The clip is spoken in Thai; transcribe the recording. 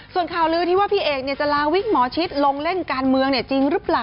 ส่วนข่าวลือที่ว่าพี่เอกจะลาวิกหมอชิดลงเล่นการเมืองจริงหรือเปล่า